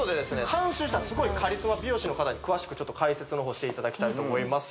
監修したすごいカリスマ美容師の方に詳しく解説の方していただきたいと思います